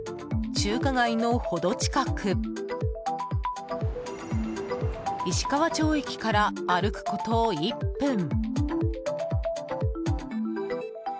中華街の程近く石川町駅から歩くこと１分。